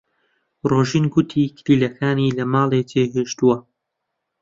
ڕۆژین گوتی کلیلەکانی لە ماڵێ جێهێشتووە.